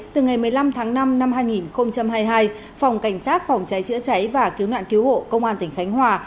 từ ngày một mươi năm tháng năm năm hai nghìn hai mươi hai phòng cảnh sát phòng cháy chữa cháy và cứu nạn cứu hộ công an tỉnh khánh hòa